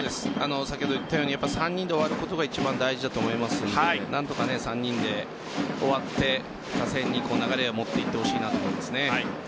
先ほど言ったように３人で終わることが一番大事だと思いますので何とか３人で終わって打線に流れを持っていってほしいと思いますね。